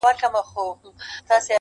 o کم اصل چي کوم ځاى خوري، هلته خړي!